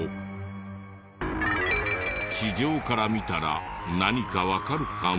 地上から見たら何かわかるかも。